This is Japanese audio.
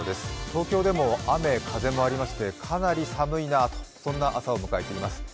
東京でも雨・風もありましてかなり寒いなとそんな朝を迎えています。